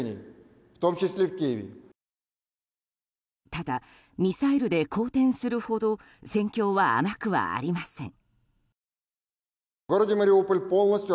ただ、ミサイルで好転するほど戦況は甘くはありません。